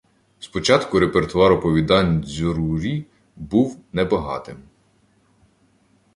Спочатку репертуар оповідань дзьорурі був не багатим.